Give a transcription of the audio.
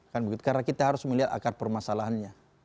karena kita harus melihat akar permasalahannya